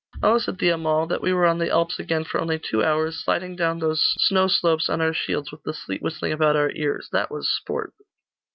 'Oh,' said the Amal, 'that we were on the Alps again for only two hours, sliding down those snow slopes on our shields, with the sleet whistling about our ears! That was sport!